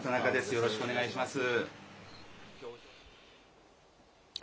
よろしくお願いします。